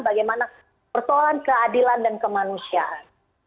bagaimana persoalan keadilan dan kemanusiaan